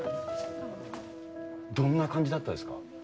どんな感じだったですか。